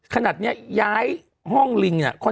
ขนาดนี้ย้ายห้องลิงอ่ะค่อนข้างผ่อนคลาย